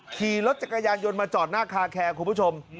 ขี่รถจักรยานยนต์มาจอดหน้าคาแคร์คุณผู้ชม